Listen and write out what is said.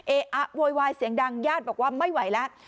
เออะโวยวายเสียงดังญาติบอกว่าไม่ไหวแล้ว